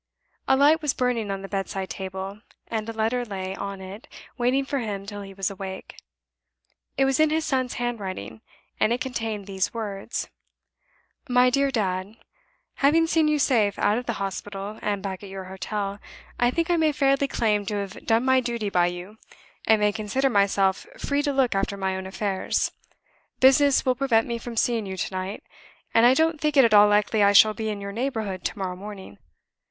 A light was burning on the bedside table, and a letter lay on it, waiting for him till he was awake. It was in his son's handwriting, and it contained these words: "MY DEAR DAD Having seen you safe out of the hospital, and back at your hotel, I think I may fairly claim to have done my duty by you, and may consider myself free to look after my own affairs. Business will prevent me from seeing you to night; and I don't think it at all likely I shall be in your neighborhood to morrow morning.